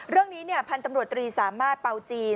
เรื่องนี้พันธุ์ตำรวจตรีสามารถเป่าจีน